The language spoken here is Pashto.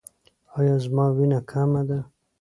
ایا زما وینه کمه ده؟